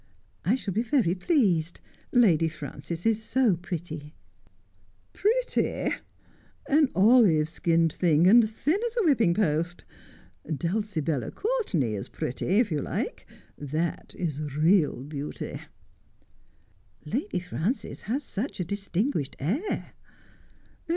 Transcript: ' I shall be very pleased. Lady Frances is so pretty.' ' Pretty ! An olive skinned thing, and as thin as a whipping Eost. Dulcibella Courtenay is pretty, if you like. That is real eauty.' ' Lady Frances has such a distinguished air.'